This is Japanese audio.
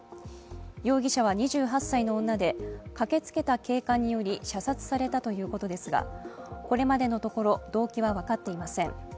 容疑者は２８歳の女で駆けつけた警官により射殺されたということですが、これまでのところ、動機は分かっていません。